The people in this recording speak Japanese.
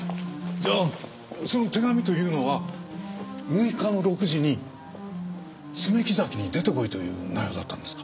じゃあその手紙というのは６日の６時に爪木崎に出て来いという内容だったんですか？